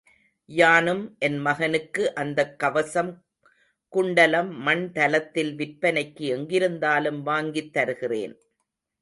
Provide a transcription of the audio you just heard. யானும் என் மகனுக்கு அந்தக் கவசம் குண்டலம் மண் தலத்தில் விற்பனைக்கு எங்கிருந்தாலும் வாங்கித் தருகிறேன்.